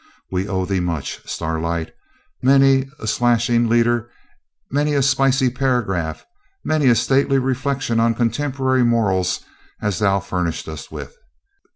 We owe thee much, Starlight; many a slashing leader, many a spicy paragraph, many a stately reflection on contemporary morals hast thou furnished us with.